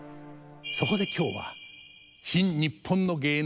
そこで今日は「新・にっぽんの芸能」